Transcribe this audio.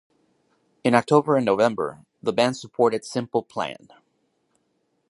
In October and November, the band supported Simple Plan.